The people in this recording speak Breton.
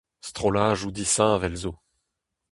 Strolladoù disheñvel zo.